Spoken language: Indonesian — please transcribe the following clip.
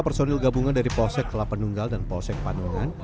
personil gabungan dari polsek kelapanunggal dan polsek panungan